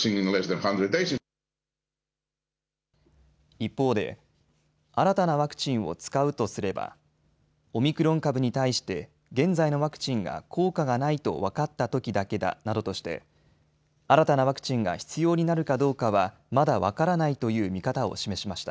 一方で新たなワクチンを使うとすればオミクロン株に対して現在のワクチンが効果がないと分かったときだけだなどとして新たなワクチンが必要になるかどうかはまだ分からないという見方を示しました。